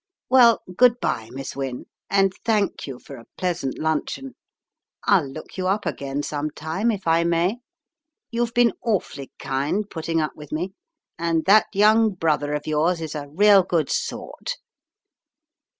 "Well, good bye, Miss Wynne, and thank you for a pleasant luncheon. I'll look you up again some time if I may. You've been awfully kind putting up with me, and that young brother of yours is a real good sort."